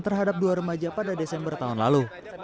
terhadap dua remaja pada desember tahun lalu